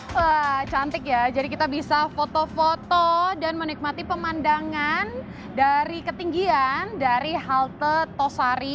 wah cantik ya jadi kita bisa foto foto dan menikmati pemandangan dari ketinggian dari halte tosari